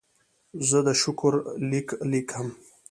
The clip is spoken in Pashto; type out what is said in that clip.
زه د شکر لیک لیکم.